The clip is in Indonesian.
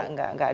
nggak lah nggak